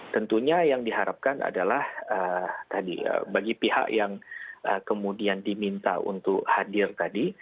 tentunya yang diharapkan adalah tadi bagi pihak yang kemudian diminta untuk hadir tadi